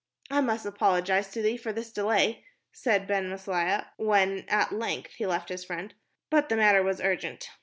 "I must apologize to thee for this delay," said Ben Maslia, when at length he left his friend, "but the matter was urgent.